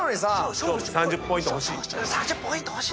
３０ポイント欲しい？